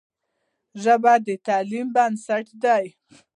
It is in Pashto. ژبه د تعلیم بنسټ دی.